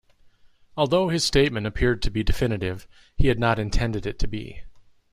Although his statement appeared to be definitive, he had not intended it to be.